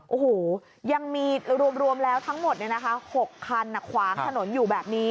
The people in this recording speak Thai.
โอ้โหยังมีรวมแล้วทั้งหมด๖คันขวางถนนอยู่แบบนี้